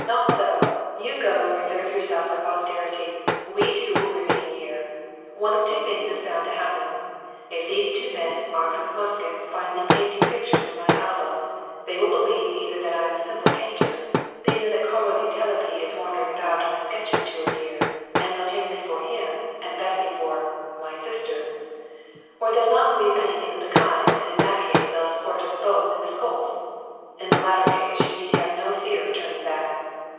Not so! You go and reserve yourself for posterity. We two will remain here. One of two things is bound to happen. If those two men, armed with muskets, find me painting pictures in my album, they will believe either that I am a simple painter (they know that Károly Telepi is wandering about on a sketching tour here, and they'll take me for him, and Bessy for my sister); or they'll not believe anything of the kind, and in that case they'll escort us both to Miskolcz. In the latter case you need have no fear of turning back.